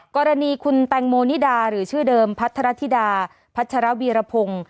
กรณีคุณแตงโมนิดาหรือชื่อเดิมพัทรธิดาพัชรวีรพงศ์